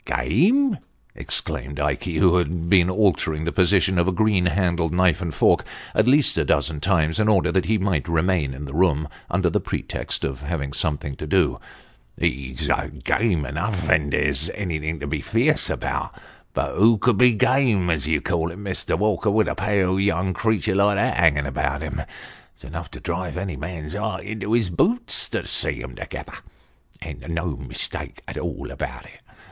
" Game !" exclaimed Ikey, who had been altering the position of a green handled knife and fork at least a dozen times, in order that he might remain in the room under the pretext of having something to do. " He's game enough ven there's anything to be fierce about ; but who could be game as you call it, Mr. Walker, with a pale young creotur like that, hanging about him ? It's enough to drive any man's heart into his boots to see 'em together and no mistake at all about it.